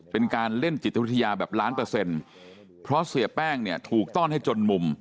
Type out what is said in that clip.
เป็นการเล่นจิตวิทยาแบบล้านเปอร์เซ็นต์เพราะเสียแป้งเนี่ยถูกต้อนให้จนมุม